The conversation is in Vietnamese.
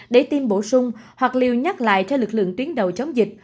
để tiêm bổ sung hoặc liều nhắc lại cho lực lượng tuyến đầu chống dịch